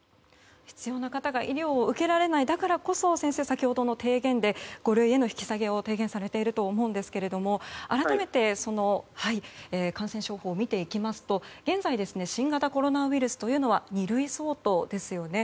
必要な方が医療を受けられないだからこそ、先生は先ほどの提言で五類への引き下げを提言されていると思いますが改めて感染症法を見ていきますと現在、新型コロナウイルスは二類相当ですよね。